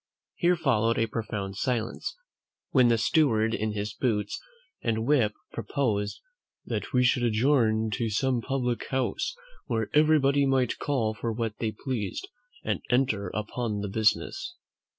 Here followed a profound silence, when the steward in his boots and whip proposed, "that we should adjourn to some public house, where everybody might call for what they pleased, and enter upon the business."